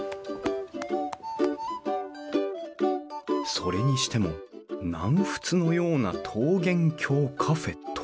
それにしても「南仏のような桃源郷カフェ」とはこれいかに？